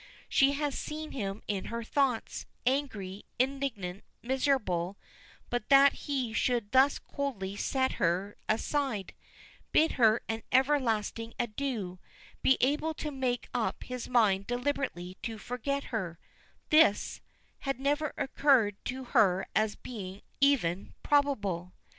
She had seen him in her thoughts, angry, indignant, miserable, but that he should thus coldly set her aside bid her an everlasting adieu be able to make up his mind deliberately to forget her this had never occurred to her as being even probable.